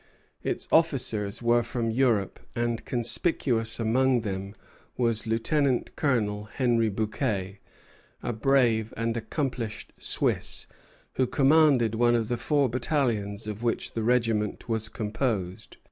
Its officers were from Europe; and conspicuous among them was Lieutenant Colonel Henry Bouquet, a brave and accomplished Swiss, who commanded one of the four battalions of which the regiment was composed.